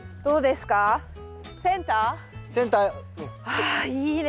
あいいね